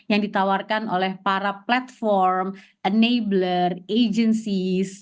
yang ditawarkan oleh para platform enabler agensi